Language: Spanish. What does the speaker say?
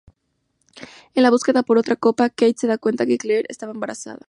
En la búsqueda por otra ropa, Kate se da cuenta que Claire estaba embarazada.